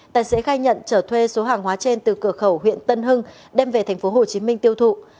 tài xế khai nhận trở thuê số hàng hóa trên từ cửa khẩu huyện tân hưng đem về tp hcm tiêu thụ